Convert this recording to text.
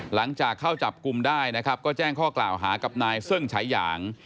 หลังจากเข้าจับกลุ่มได้นะครับก็แจ้งข้อกล่าวหากับนายเซิ่งฉายาง